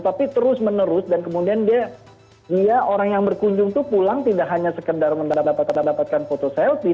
tapi terus menerus dan kemudian dia orang yang berkunjung itu pulang tidak hanya sekedar mendapatkan foto selfie